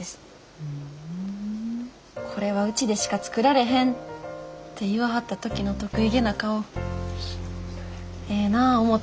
これはうちでしか作られへんて言わはった時の得意げな顔ええなぁ思て。